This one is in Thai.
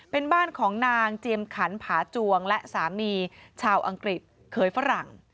เป็นบ้านของนางเจียมขันผาจวงและสามีชาวอังกฤษเคยฝรั่ง